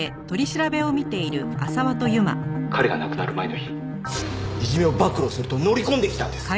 彼が亡くなる前の日いじめを暴露すると乗り込んできたんです。